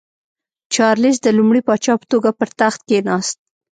چارلېس د لومړي پاچا په توګه پر تخت کېناست.